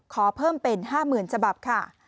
ขอเพิ่มเป็น๕๐๐๐ฉบับค่ะ